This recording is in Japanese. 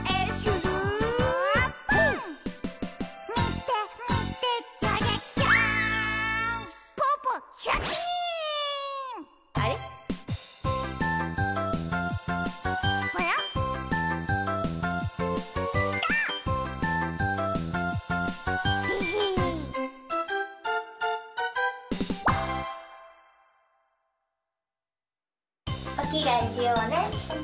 でへへおきがえしようね。